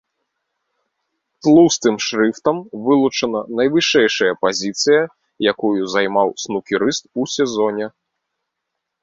Тлустым шрыфтам вылучана найвышэйшая пазіцыя, якую займаў снукерыст у сезоне.